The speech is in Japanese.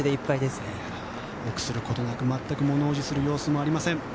臆することなく、全くものおじする様子はありません。